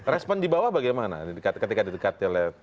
respon di bawah bagaimana ketika didekatin oleh pak jokowi